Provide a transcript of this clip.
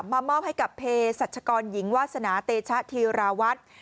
มอบให้กับเพศรัชกรหญิงวาสนาเตชะธีราวัฒน์